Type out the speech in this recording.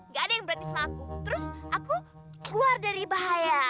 gak ada yang berani sama aku terus aku keluar dari bahaya